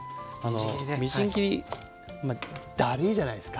みじん切りだるいじゃないですか。